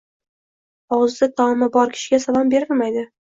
Og‘zida taomi bor kishiga salom berilmaydi